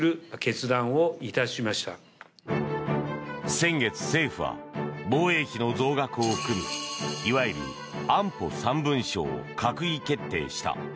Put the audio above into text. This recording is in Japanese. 先月、政府は防衛費の増額を含むいわゆる安保３文書を閣議決定した。